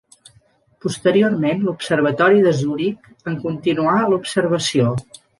Posteriorment, l'observatori de Zuric en continuà l'observació.